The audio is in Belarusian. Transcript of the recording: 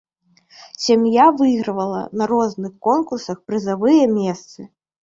Сям'я выйгравала на розных конкурсах прызавыя месцы.